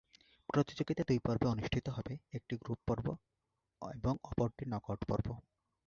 প্রতিযোগিতা দুটি পর্বে অনুষ্ঠিত হবে; একটি গ্রুপ পর্ব এবং অপরটি নকআউট পর্ব।